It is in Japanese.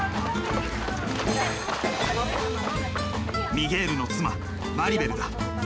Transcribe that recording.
ミゲールの妻マリベルだ。